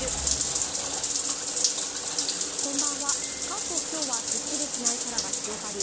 関東、今日はすっきりしない空が広がり